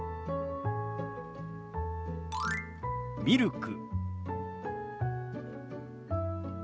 「ミルク」。